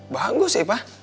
bagus ya pak